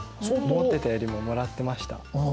思っていたよりももらってました。